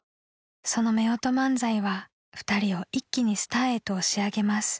［そのめおと漫才は二人を一気にスターへと押し上げます］